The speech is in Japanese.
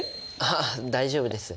あ大丈夫です。